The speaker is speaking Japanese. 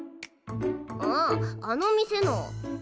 あああの店の。